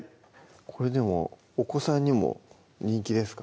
これでもお子さんにも人気ですか？